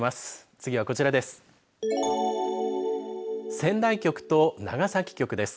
次はこちらです。